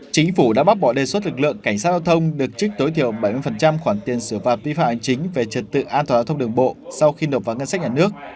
chính phủ đã bác bỏ đề xuất lực lượng cảnh sát giao thông được trích tối thiểu bảy mươi khoản tiền xử phạt vi phạm hành chính về trật tự an toàn giao thông đường bộ sau khi nộp vào ngân sách nhà nước